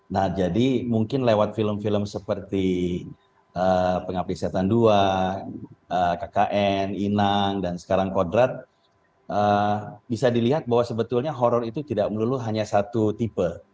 nah jadi mungkin lewat film film seperti pengabdi setan dua kkn inang dan sekarang kodrat bisa dilihat bahwa sebetulnya horror itu tidak melulu hanya satu tipe